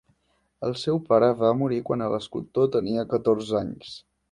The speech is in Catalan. El seu pare va morir quan l'escultor tenia catorze anys.